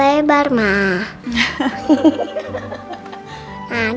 aku minta mama senyum dulu